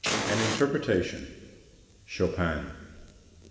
AN INTERPRETATION. CHOPIN.